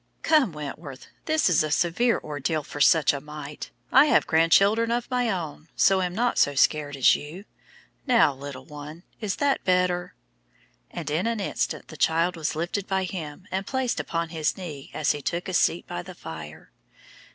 "Come, Wentworth, this is a severe ordeal for such a mite. I have grandchildren of my own, so am not so scared as you. Now, little one, is that better?" And in an instant the child was lifted by him and placed upon his knee as he took a seat by the fire.